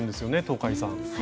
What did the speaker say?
東海さん。